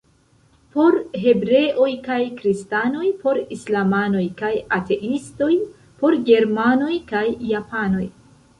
Por hebreoj kaj kristanoj, por islamanoj kaj ateistoj, por germanoj kaj japanoj.